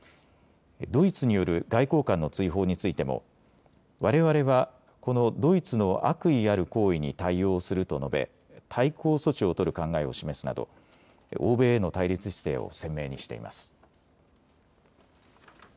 ドイツによる外交官の追放についてもわれわれはこのドイツの悪意ある行為に対応すると述べ対抗措置を取る考えを示すなど欧米への対立姿勢を鮮明にしています。